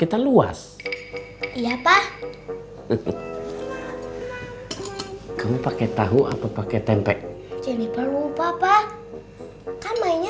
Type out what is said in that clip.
itu air intinya